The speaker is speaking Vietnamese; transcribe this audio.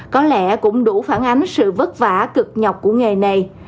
có lẽ cũng đủ phản ánh sự vất vả cực nhọc của nghề này